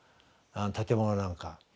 建物なんか。